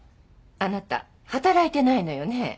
あなた働いてないのよね？